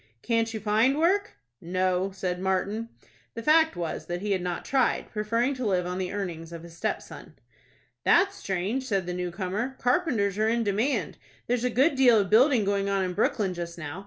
"Can't you find work?" "No," said Martin. The fact was that he had not tried, preferring to live on the earnings of his stepson. "That's strange," said the new comer. "Carpenters are in demand. There's a good deal of building going on in Brooklyn just now.